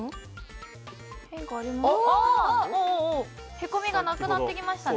へこみがなくなってきましたね。